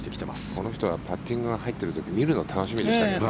この人はパッティングが入る時見るのが楽しみでしたけど。